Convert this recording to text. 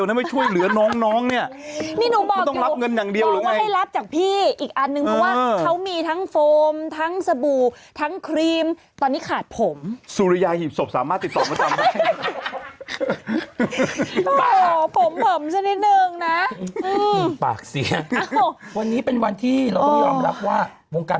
วันนี้เป็นวันที่เราต้องยอมรับว่าวงการบันทึกของเราก็ตื่นตระหนกกันพอ